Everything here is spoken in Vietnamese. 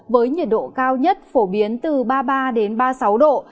với nhiệt độ cao nhất phổ biến từ ba mươi ba ba mươi sáu độ